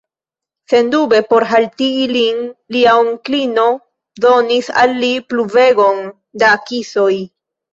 Sendube por haltigi lin, lia onklino donis al li pluvegon da kisoj.